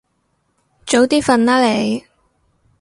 早啲瞓啦你